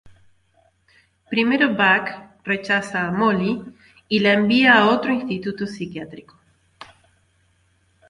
Primero Buck rechaza a Molly y la envía a otra instituto psiquiátrico.